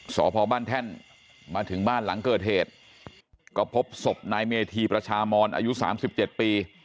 สพบ้านแท่นมาถึงบ้านหลังเกิดเหตุก็พบศพนายเมธีประชามอนอายุ๓๗ปี